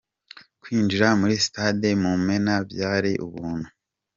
Kwinjira muri sitade Mumena byari ubuntu.